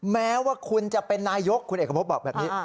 แม้ว่าคุณจะเป็นนายกคุณเอกพบบอกแบบนี้